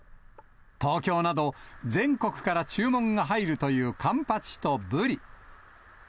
東京など全国から注文が入るというカンパチとブリ。